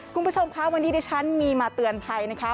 คุณผู้ชมคะวันนี้ดิฉันมีมาเตือนภัยนะคะ